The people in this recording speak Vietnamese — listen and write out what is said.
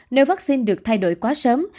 nếu vaccine được thay đổi quá sớm